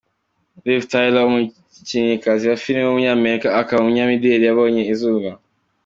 Liv Tyler, umukinnyikazi wa filime w’umunyamerika akaba n’umunyamideli yabonye izuba.